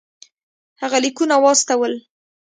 هغه لیکونه واستول.